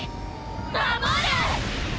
守る！